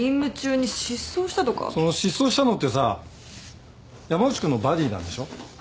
その失踪したのってさ山内君のバディなんでしょ？